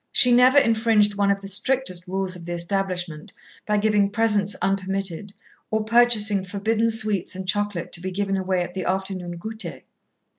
She never infringed one of the strictest rules of the establishment, by giving presents unpermitted, or purchasing forbidden sweets and chocolate to be given away at the afternoon goûter.